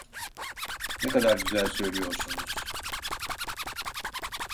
Ne kadar güzel söylüyorsunuz…